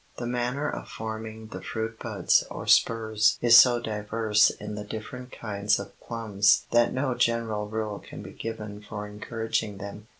The manner of forming the fruit buds or spurs is so diverse in the different kinds of plums that no general rule can be given for encouraging them.